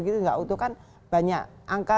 tidak utuh kan banyak angka